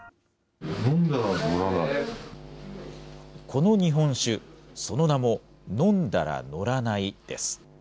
この日本酒、その名も、飲んだら乗らないです。